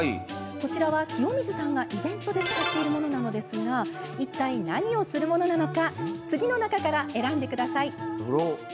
こちらは清水さんがイベントで使っているものなのですがいったい何をするものなのか次の中から選んでください。